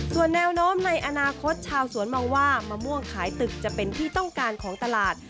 ส่วนแนวโน้มในอนาคตชาวสวนมองว่ามะม่วงขายตึกจะเป็นที่ต้องการของตลาด